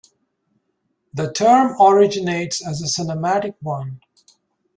The term originates as a cinematic one.